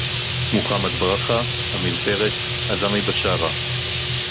מוחמד ברכה, עמיר פרץ, עזמי בשארה